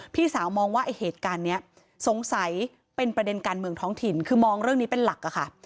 พี่สาวมองว่าไอ้เหตุการณ์นี้สงสัยเป็นประเด็นการเมืองท้องถิ่นคือมองเรื่องนี้เป็นหลักอะค่ะ